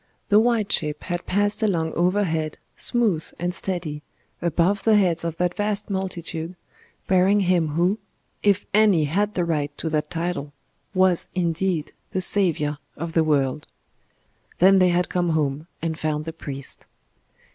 The white ship had passed along overhead, smooth and steady, above the heads of that vast multitude, bearing Him who, if any had the right to that title, was indeed the Saviour of the world. Then they had come home, and found the priest.